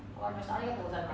ありがとうございます。